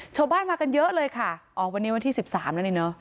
ชาวบ้านมากันเยอะเลยค่ะอ๋อวันนี้วันที่สิบสามแล้วนี่เนอะ